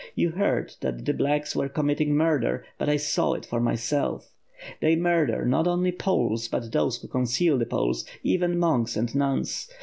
You heard that the ^blacks' were committing murder, but I saw it for myself. They murder, not only Poles, but those who conceal the Poles; even monks and nuns.